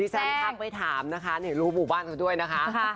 ฉันทักไม่ถามนะคะรู้หมู่บ้านเขาด้วยนะคะ